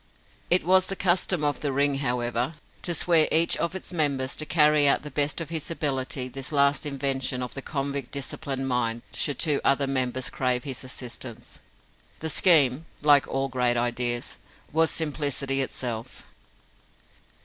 It was the custom of the Ring, however, to swear each of its members to carry out to the best of his ability this last invention of the convict disciplined mind should two other members crave his assistance. The scheme like all great ideas was simplicity itself.